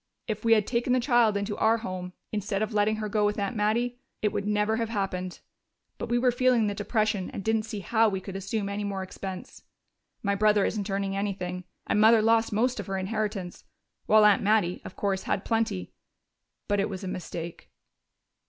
If we had taken the child into our home, instead of letting her go with Aunt Mattie, it would never have happened. But we were feeling the depression and didn't see how we could assume any more expense. My brother isn't earning anything, and Mother lost most of her inheritance. While Aunt Mattie, of course, had plenty.... But it was a mistake."